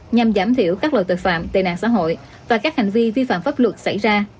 nhằm giảm thiểu các loại tội phạm tệ nạn xã hội và các hành vi vi phạm pháp luật xảy ra